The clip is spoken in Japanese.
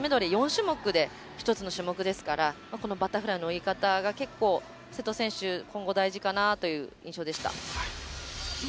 種目で一つの種目ですからバタフライの泳ぎ方が結構、瀬戸選手、今後、大事かなという印象でした。